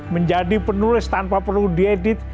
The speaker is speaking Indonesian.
menjadi penulis tanpa perlu diedit